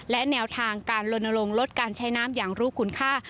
และแนวทางการลนลงลดการใช้น้ำอย่างรู้คุณค่า